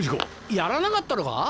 殺らなかったのか？